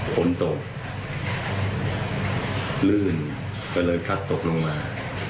ฝนตกลื่นก็เลยพัดตกลงมา